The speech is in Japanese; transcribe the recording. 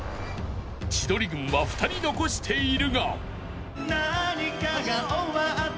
［千鳥軍は２人残しているが］